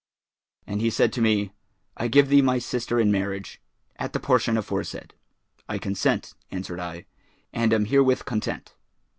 And he said to me, 'I give thee my sister in marriage, at the portion aforesaid.' 'I consent,' answered I, 'and am herewith content.'